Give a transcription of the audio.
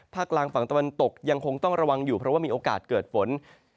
กลางฝั่งตะวันตกยังคงต้องระวังอยู่เพราะว่ามีโอกาสเกิดฝน